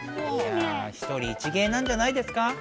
いやあ一人一芸なんじゃないですか。